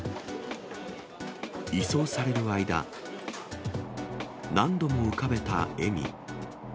移送される間、何度も浮かべた笑み。